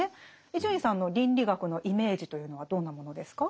伊集院さんの倫理学のイメージというのはどんなものですか？